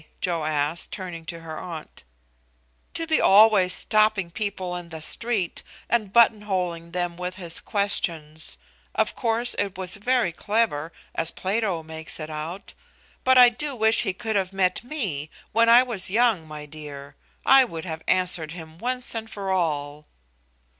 Joe asked, turning to her aunt. "To be always stopping people in the street, and button holing them with his questions. Of course it was very clever, as Plato makes it out; but I do wish he could have met me when I was young, my dear. I would have answered him once and for all!"